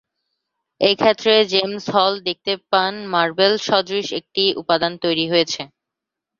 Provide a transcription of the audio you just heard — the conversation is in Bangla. এক্ষেত্রে জেমস হল দেখতে পান মার্বেল সদৃশ একটি উপাদান তৈরি হয়েছে।